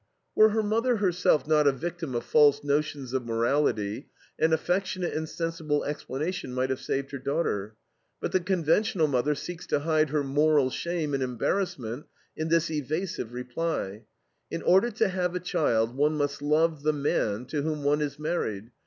Were her mother herself not a victim of false notions of morality, an affectionate and sensible explanation might have saved her daughter. But the conventional mother seeks to hide her "moral" shame and embarrassment in this evasive reply: "In order to have a child one must love the man to whom one is married....